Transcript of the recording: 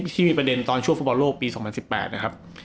ที่มีประเด็นตอนช่วงฟุตบอลโลกปี๒๐๑๘นะครับ